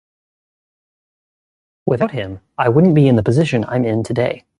Without Him, I wouldn't be in the position I'm in today.